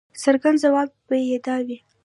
څرګند ځواب به یې دا وي.